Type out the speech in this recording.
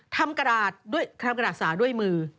๔ทำกระดาษสาด้วยมือ